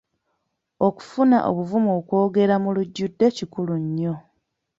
Okufuna obuvumu okwogera mulujudde kikulu nnyo.